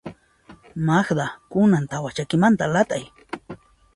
Magda, kunan tawa chakimanta lat'ay.